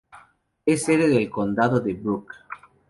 Es sede del condado de Burke.